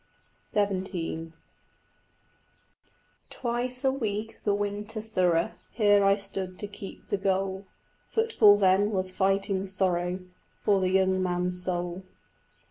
XVII Twice a week the winter thorough Here stood I to keep the goal: Football then was fighting sorrow For the young man's soul.